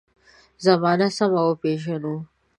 زمانه سمه وپېژنو.